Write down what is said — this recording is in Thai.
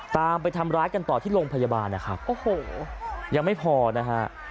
ไปทำร้ายกันต่อที่โรงพยาบาลนะครับโอ้โหยังไม่พอนะฮะ